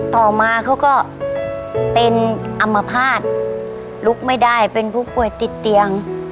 ต่อมาเขาก็เป็นอัมพาตลุกไม่ได้เป็นผู้ป่วยติดเตียง